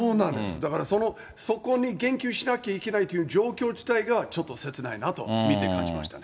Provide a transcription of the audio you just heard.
だから、そこに言及しなきゃいけないという状況自体がちょっと切ないなと、見て感じましたね。